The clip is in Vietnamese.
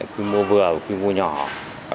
quy mô vừa và quy mô nhỏ